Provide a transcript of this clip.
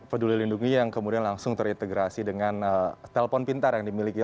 peduli lindungi yang kemudian langsung terintegrasi dengan telpon pintar yang dimiliki